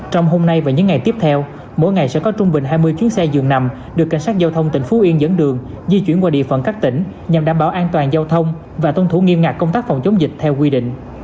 trong hôm nay và những ngày tiếp theo mỗi ngày sẽ có trung bình hai mươi chuyến xe dường nằm được cảnh sát giao thông tỉnh phú yên dẫn đường di chuyển qua địa phận các tỉnh nhằm đảm bảo an toàn giao thông và tuân thủ nghiêm ngặt công tác phòng chống dịch theo quy định